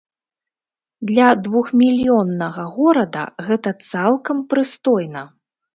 Для двухмільённага горада гэта цалкам прыстойна.